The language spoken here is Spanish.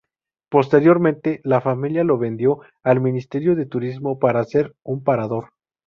Posteriormente, la familia lo vendió al Ministerio de Turismo para hacer un parador.